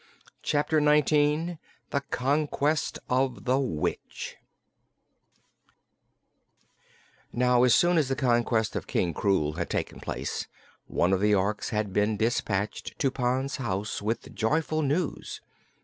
Chapter Nineteen The Conquest of the Witch Now as soon as the conquest of King Krewl had taken place, one of the Orks had been dispatched to Pon's house with the joyful news.